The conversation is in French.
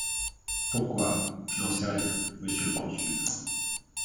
Pourquoi?... je n’en sais rien, monsieur le consul